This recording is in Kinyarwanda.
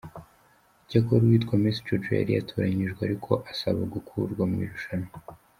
Cyakora uwitwa Miss Jojo yari yatoranyijwe ariko asaba gukurwa mu irushanwa.